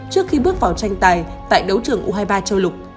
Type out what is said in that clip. trước khi bước vào tranh tài tại đấu trường u hai mươi ba châu á